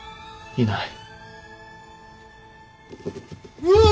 いない。